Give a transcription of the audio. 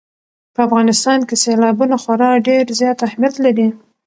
په افغانستان کې سیلابونه خورا ډېر زیات اهمیت لري.